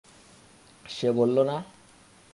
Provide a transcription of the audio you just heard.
সে বললো, না?